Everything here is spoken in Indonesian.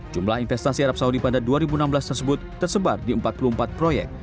jumlah investasi arab saudi pada dua ribu enam belas tersebut tersebar di empat puluh empat proyek